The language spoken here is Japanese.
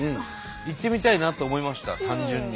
行ってみたいなと思いました単純に。